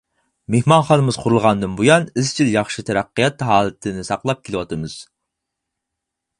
مېھمانخانىمىز قۇرۇلغاندىن بۇيان ئىزچىل ياخشى تەرەققىيات ھالىتىنى ساقلاپ كېلىۋاتىمىز.